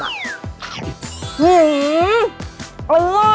หือ